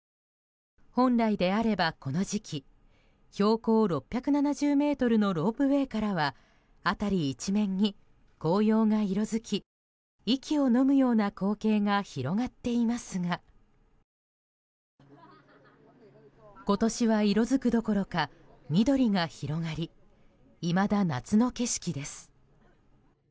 本来であれば、この時期標高６７０ｍのロープウェーからは辺り一面に紅葉が色づき息をのむような光景が広がっていますが今年は色づくどころか緑が広がりいまだ夏の景色です。